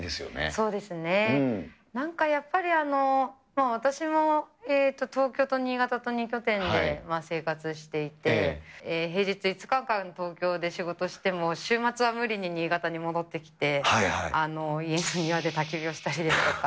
そうですね、なんかやっぱり、私も東京と新潟と２拠点で生活していて、平日５日間、東京で仕事しても、週末は無理に新潟に戻ってきて、家の庭でたき火をしたりですとか。